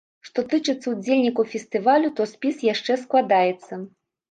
Што тычыцца ўдзельнікаў фестывалю, то спіс яшчэ складаецца.